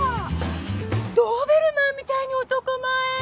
ドーベルマンみたいに男前！